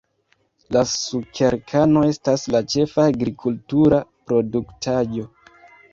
La sukerkano estas la ĉefa agrikultura produktaĵo.